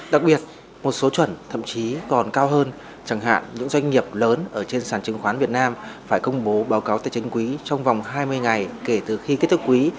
đặc biệt một số chuẩn thậm chí còn cao hơn chẳng hạn những doanh nghiệp lớn ở trên sàn chứng khoán việt nam phải công bố báo cáo tài chính quý trong vòng hai mươi ngày kể từ khi kết thúc quý